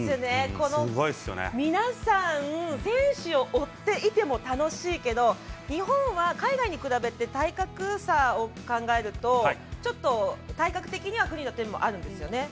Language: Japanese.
この皆さん選手を追っていても楽しいけど、日本は海外に比べて体格差を考えるとちょっと体格的には不利な点もあるんですよね。